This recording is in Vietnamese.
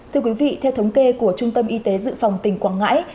thưa quý vị theo thống kê của trung tâm y tế dự phòng tỉnh quảng ngãi